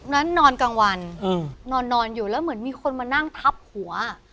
อ๋อนั้นนอนกลางวันอืมนอนนอนอยู่แล้วเหมือนมีคนมานั่งทับหัว